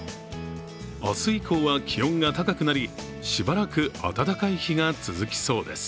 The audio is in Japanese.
明日以降は気温が高くなり、しばらく暖かい日が続きそうです。